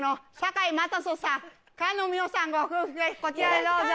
こちらへどうぞ。